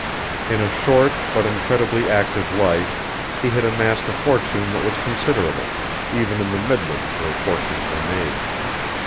In a short, but incredibly active life, he had amassed a fortune that was considerable, even in the midlands where fortunes are made.